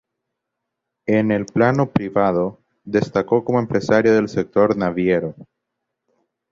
En el plano privado, destacó como empresario del sector naviero.